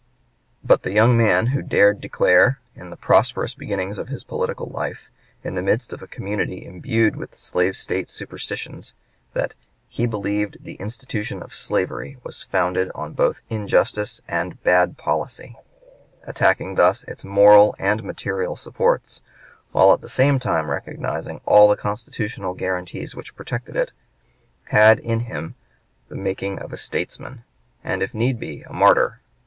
But the young man who dared declare, in the prosperous beginning of his political life, in the midst of a community imbued with slave State superstitions, that "he believed the institution of slavery was founded both on injustice and bad policy," attacking thus its moral and material supports, while at the same time recognizing all the constitutional guarantees which protected it, had in him the making of a statesman and, if need be, a martyr.